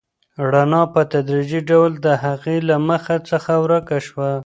رڼا په تدریجي ډول د هغې له مخ څخه ورکه شوه.